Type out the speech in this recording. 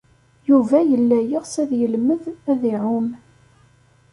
Yuba yella yeɣs ad yelmed ad iɛum.